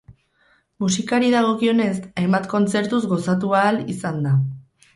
Musikari dagokionez, hainbat kontzertuz gozatu ahal izan da.